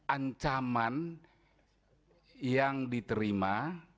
ancaman yang diterima